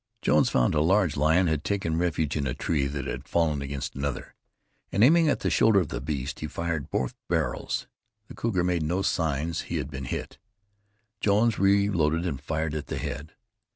Jones found a large lion had taken refuge in a tree that had fallen against another, and aiming at the shoulder of the beast, he fired both barrels. The cougar made no sign he had been hit. Jones reloaded and fired at the head.